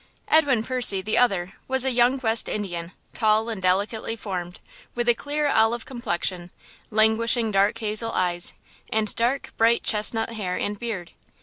Edwin Percy , the other, was a young West Indian, tall and delicately formed, with a clear olive complexion, languishing dark hazel eyes and dark, bright chestnut hair and beard.